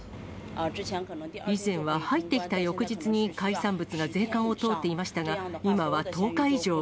以前は入ってきた翌日に海産物が税関を通っていましたが、今は１０日以上。